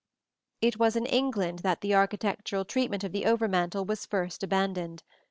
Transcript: It was in England that the architectural treatment of the over mantel was first abandoned.